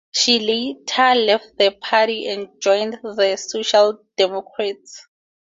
She later left the party and joined the Social Democrats.